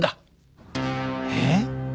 えっ？